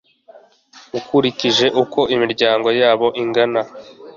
akurikije uko imiryango yabo ingana